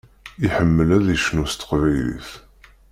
Iḥemmel ad icnu s teqbaylit.